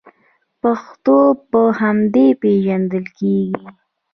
پښتون په همدې پیژندل کیږي.